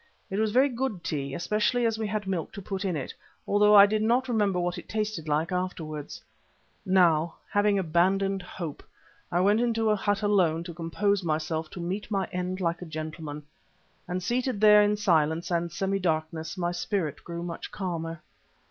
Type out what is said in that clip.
It was very good tea, especially as we had milk to put in it, although I did not remember what it tasted like till afterwards. Now, having abandoned hope, I went into a hut alone to compose myself to meet my end like a gentleman, and seated there in silence and semi darkness my spirit grew much calmer.